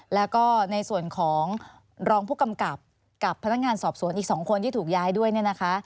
แล้วก็ในส่วนของรองผู้กำกับกับพนักงานสอบสวนอีก๒คนที่ถูกย้ายด้วยเนี่ยนะคะ